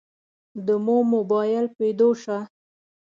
دمو مباييل پيدو شه.